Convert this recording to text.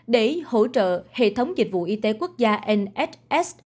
để hỗ trợ hệ thống dịch vụ y tế quốc gia